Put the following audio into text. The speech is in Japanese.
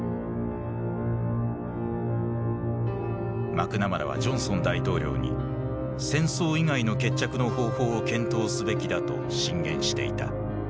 マクナマラはジョンソン大統領に戦争以外の決着の方法を検討すべきだと進言していた。